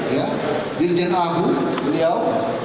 ya dirjen agung beliau